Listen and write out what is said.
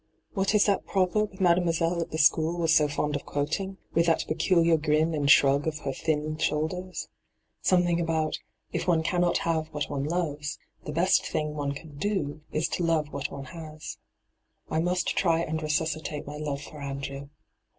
What is that proverb Made moiselle at the school was so fond of quoting, with that peculiar gnn and shrug of her thin shoulders ? Something about, if one cannot have what one lovea, the best thing one can do is to love what one has. I must try and resuscitate my love for Andrew